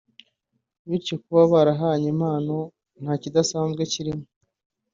bityo kuba barahanye impano nta kidasanzwe kibirimo